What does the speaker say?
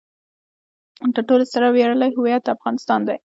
تر ټولو ستر او ویاړلی هویت افغانستان دی.